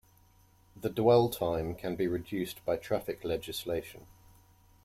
The dwell time can be reduced by traffic legislation.